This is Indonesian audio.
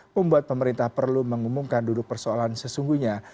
membuat pemerintah perlu mengumumkan duduk persoalan sesungguhnya